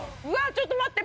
ちょっと待って！